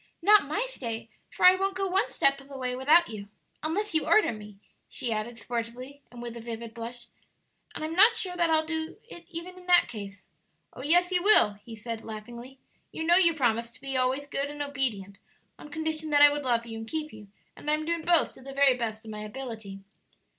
"Not my stay; for I won't go one step of the way without you, unless you order me!" she added, sportively, and with a vivid blush; "and I'm not sure that I'll do it even in that case." "Oh, yes you will," he said, laughingly. "You know you promised to be always good and obedient on condition that I would love you and keep you; and I'm doing both to the very best of my ability."